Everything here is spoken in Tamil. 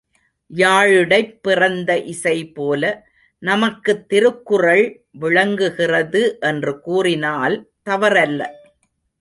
யாழிடைப் பிறந்த இசைபோல, நமக்குத் திருக்குறள் விளங்குகிறது என்று கூறினால் தவறல்ல.